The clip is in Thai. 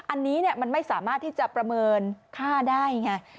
อันนี้มันไม่สามารถที่จะประเมินค่าได้ไง